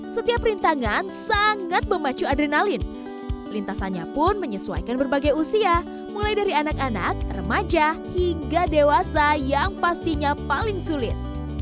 setiap rintangan sangat memacu adrenalin lintasannya pun menyesuaikan berbagai usia mulai dari anak anak remaja hingga dewasa yang pastinya paling sulit